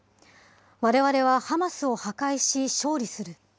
われわれはハマスを破壊し、勝利する。